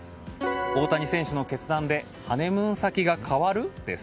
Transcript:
大谷選手の決断でハネムーン先が変わる？です。